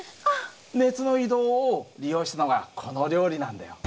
熱の移動を利用したのがこの料理なんだよ。